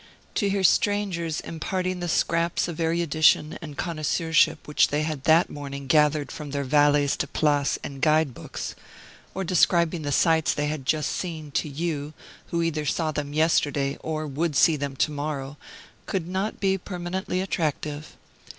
To hear strangers imparting the scraps of erudition and connoisseurship which they had that morning gathered from their valets de place and guide books, or describing the sights they had just seen, to you, who either saw them yesterday, or would see them to morrow, could not be permanently attractive.